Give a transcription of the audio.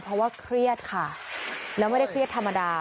เพราะว่าเครียดค่ะแล้วไม่ได้เครียดธรรมดา